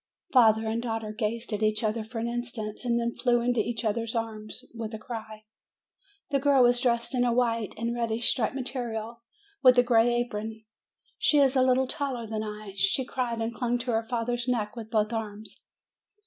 Father and daughter gazed at each other for an instant ; then flew into each other's arms, with a cry. The girl was dressed in a white and reddish striped material, with a gray apron. She is a little taller than I. She cried, and clung to her father's neck with both arms.